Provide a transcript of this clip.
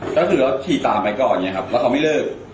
ก็คือรถขี่ตามไปก่อนไงครับแล้วเขาไม่เลิก